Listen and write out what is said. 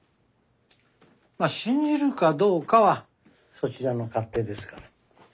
まっ信じるかどうかはそちらの勝手ですから。